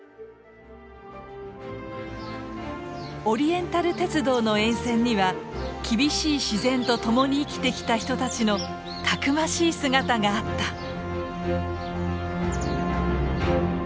オリエンタル鉄道の沿線には厳しい自然とともに生きてきた人たちのたくましい姿があった。